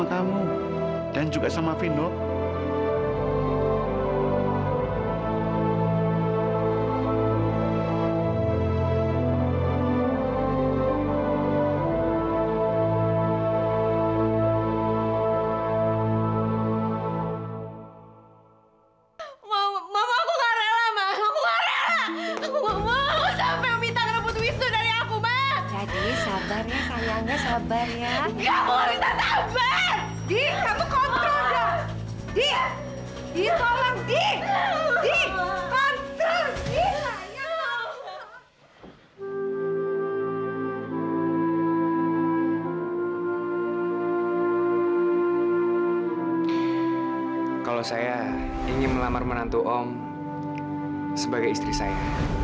kalau saya ingin melamar menantu om sebagai istri saya